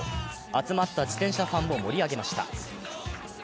集まった自転車ファンを盛り上げました。